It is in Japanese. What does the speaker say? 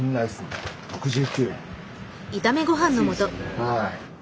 はい。